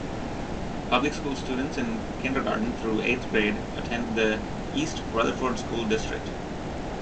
Public school students in kindergarten through eighth grade attend the East Rutherford School District.